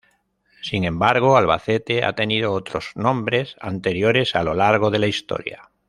Sin embargo, Albacete ha tenido otros nombres anteriores a lo largo de la historia.